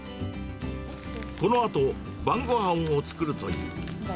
このあと、晩ごはんを作るという。